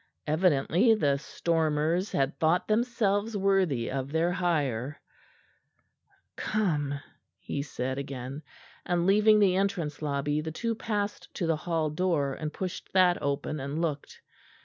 Evidently the stormers had thought themselves worthy of their hire. "Come," he said again; and leaving the entrance lobby, the two passed to the hall door and pushed that open and looked.